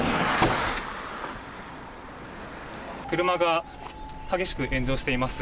車が激しく炎上しています。